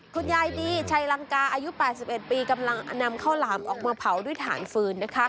คุณยายดีชัยลังกาอายุ๘๑ปีกำลังนำข้าวหลามออกมาเผาด้วยฐานฟืนนะคะ